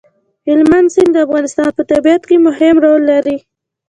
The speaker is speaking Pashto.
هلمند سیند د افغانستان په طبیعت کې مهم رول لري.